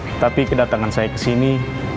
tetapi kedatangan saya ke sini